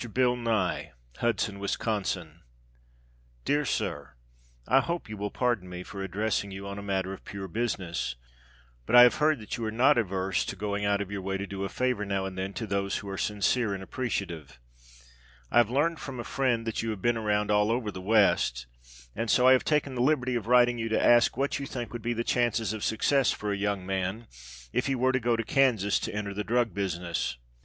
Bill Nye, Hudson, Wis._ DEAR SIR: I hope you will pardon me for addressing you on a matter of pure business, but I have heard that you are not averse to going out of your way to do a favor now and then to those who are sincere and appreciative. I have learned from a friend that you have been around all over the west, and so I have taken the liberty of writing you to ask what you think would be the chances of success for a young man if he were to go to Kansas to enter the drug business.